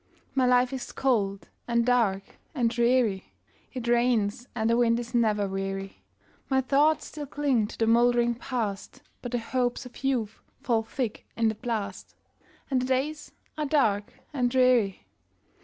My life is cold, and dark, and dreary; It rains, and the wind is never weary; My thoughts still cling to the moldering Past, But the hopes of youth fall thick in the blast, And the days are dark and dreary.